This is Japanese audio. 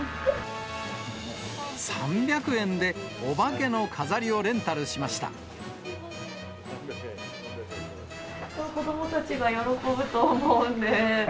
３００円でお化けの飾りをレ子どもたちが喜ぶと思うんで。